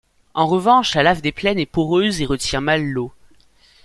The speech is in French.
En revanche, la lave des plaines est poreuse et retient mal l'eau.